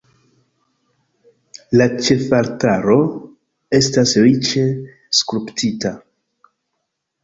La ĉefaltaro estas riĉe skulptita.